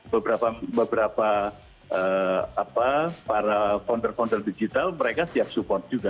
beberapa para founder founder digital mereka siap support juga